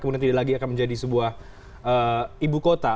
kemudian tidak lagi akan menjadi sebuah ibu kota